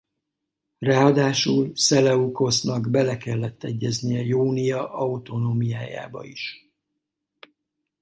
Ráadásul Szeleukosznak bele kellett egyeznie Iónia autonómiájába is.